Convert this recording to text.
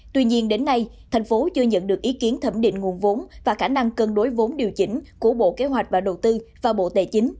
tuy nhiên đến nay thành phố chưa nhận được ý kiến thẩm định nguồn vốn và khả năng cân đối vốn điều chỉnh của bộ kế hoạch và đầu tư và bộ tài chính